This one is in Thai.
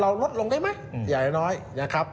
เรานดลงได้ไหมอย่างน้อยอย่างครับ